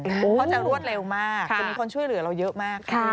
เขาจะรวดเร็วมากจะมีคนช่วยเหลือเราเยอะมาก